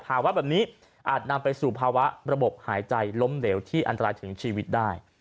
ภาวะแบบนี้อาจนำไปสู่ภาวะระบบหายใจล้มเหลวที่อันตรายถึงชีวิตได้